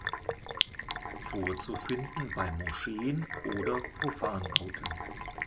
Vorzufinden bei Moscheen oder Profanbauten.